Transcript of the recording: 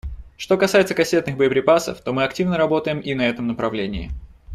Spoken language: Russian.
Что касается кассетных боеприпасов, то мы активно работаем и на этом направлении.